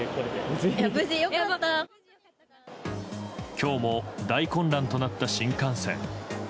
今日も大混乱となった新幹線。